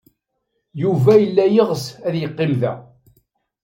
Yuba yella yeɣs ad yeqqim da.